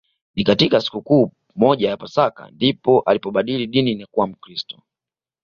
Ni katika sikukuu moja ya Pasaka ndipo alipobadili dini na kuwa Mkristo